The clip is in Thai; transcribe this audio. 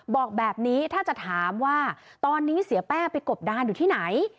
บอกแบบนี้ถ้าจะถามว่าตอนนี้เสียแป้งไปกบดานอยู่ที่ไหน